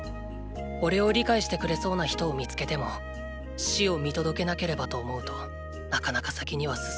おれを理解してくれそうな人を見つけても死を見届けなければと思うとなかなか先には進めない。